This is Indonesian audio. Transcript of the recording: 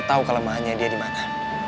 gue tau kelemahannya dia dimana